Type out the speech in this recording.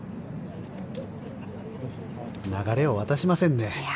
流れを渡しませんね。